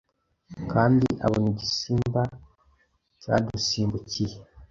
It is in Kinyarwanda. Kandi abona igisimba cyadusimbukiye